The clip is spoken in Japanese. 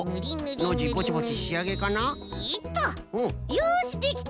よしできた！